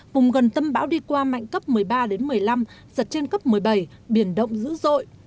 vùng gần tâm bão đi qua mạnh cấp một mươi ba một mươi năm giật trên cấp một mươi bảy biển động dữ dội